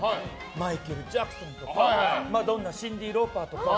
マイケル・ジャクソンとかマドンナシンディ・ローパーとか。